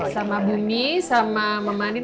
sama bumi sama memani